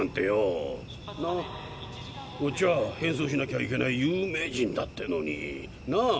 こっちは変装しなきゃいけない有名人だってのになあ。